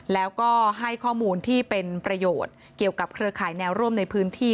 แล้วก็ให้ข้อมูลที่เป็นประโยชน์เกี่ยวกับเครือข่ายแนวร่วมในพื้นที่